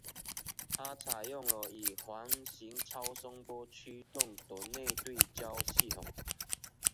它采用了以环形超声波驱动的内对焦系统。